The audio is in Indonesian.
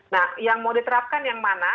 nah yang mau diterapkan yang mana